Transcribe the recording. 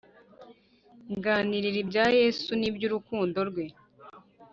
Nganirira ibya yesu n’ibyurukundo rwe